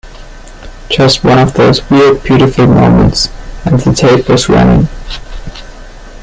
Just one of those weird, beautiful moments...and the tape was running.